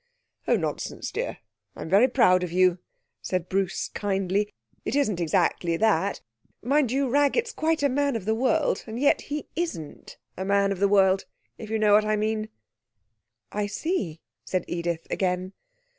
'Oh nonsense, dear, I'm very proud of you,' said Bruce kindly. 'It isn't exactly that.... Mind you, Raggett's quite a man of the world and yet he isn't a man of the world, if you know what I mean.' 'I see,' said Edith again.